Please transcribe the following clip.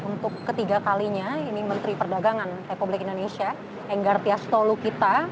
untuk ketiga kalinya ini menteri perdagangan republik indonesia enggartia stolokita